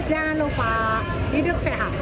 jangan lupa hidup sehat